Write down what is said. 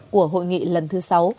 và hội nghị lần thứ sáu